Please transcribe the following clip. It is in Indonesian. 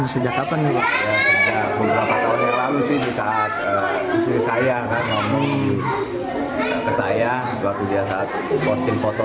sejak kapan ya beberapa tahun yang lalu sih bisa saya ngomong ke saya buat dia saat posting foto